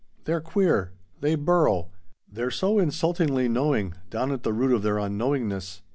They're queer. They burrow. They're so insultingly knowing, down at the root of their unknowingness.